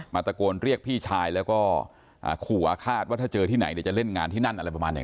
มาตะโกนเรียกพี่ชายแล้วก็ขัดว่าถ้าเจอที่ไหนจะเล่นงานที่นั่น